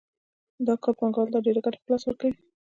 دا کار پانګوال ته ډېره ګټه په لاس ورکوي